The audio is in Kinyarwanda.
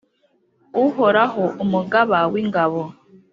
Uhoraho, umugaba w’ingabo,